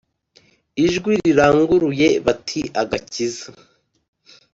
ijwi riranguruye bati agakiza